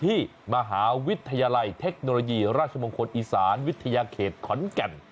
ที่มหาวิทยาลัยเทคโนโลยีราชมงคลอีสานวิทยาเขตขอนแก่น